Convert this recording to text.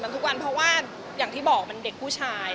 ทุกวันเพราะว่าอย่างที่บอกมันเด็กผู้ชาย